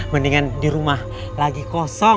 mendingan di rumah lagi kosong